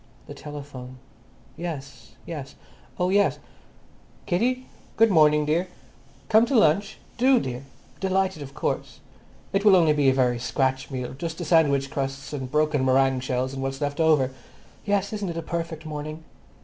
The telephone. "Yes, yes; oh yes. Kitty? Good morning, dear. Come to lunch? Do, dear. Delighted of course. It will only be a very scratch meal—just the sandwich crusts and broken meringue shells and what's left over. Yes, isn't it a perfect morning?